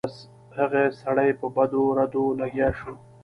هغه سړی په بدو ردو لګیا شو.